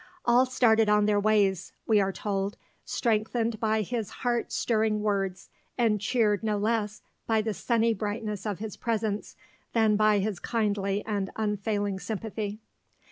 "All started on their ways," we are told, "strengthened by his heart stirring words, and cheered no less by the sunny brightness of his presence than by his kindly and unfailing sympathy."